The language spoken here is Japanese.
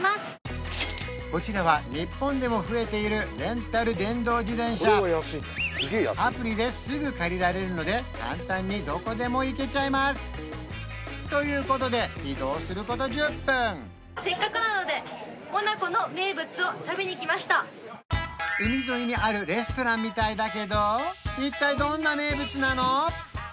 こちらは日本でも増えているレンタル電動自転車アプリですぐ借りられるので簡単にどこでも行けちゃいますということで移動すること１０分海沿いにあるレストランみたいだけど一体どんな名物なの？